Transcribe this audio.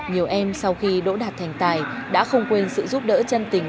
nhiều em sau khi đỗ đạt thành tài đã không quên sự giúp đỡ chân tình